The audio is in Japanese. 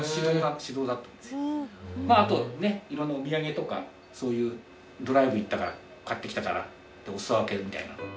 まああとねっ色んなお土産とかそういうドライブ行ったから買ってきたからお裾分けみたいな。